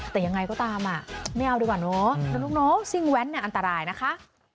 แต่ยังไงก็ตามอ่ะไม่เอาดีกว่าเนอะแล้วลูกน้องซิ่งแว้นเนี่ยอันตรายนะคะ